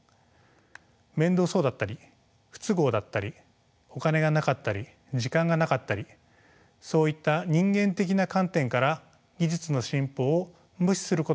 面倒そうだったり不都合だったりお金がなかったり時間がなかったりそういった人間的な観点から技術の進歩を無視することがあるのです。